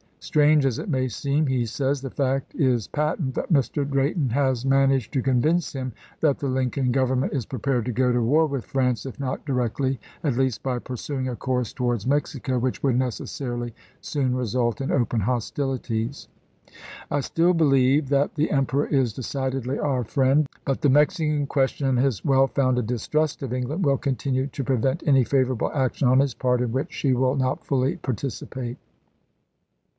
" Strange as it may seem," he says, " the fact is patent that Mr. Dayton has man aged to convince him that the Lincoln Government is prepared to go to war with France, if not directly, at least by pursuing a course towards Mexico which would necessarily soon result in open hostilities. I still believe that the Emperor is decidedly our friend, but the Mexican question and his well founded distrust of England will continue to pre vent any favorable action on his part in which she will not fully participate."